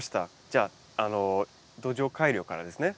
じゃあ土壌改良からですね。